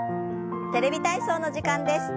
「テレビ体操」の時間です。